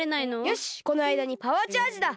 よしこのあいだにパワーチャージだ。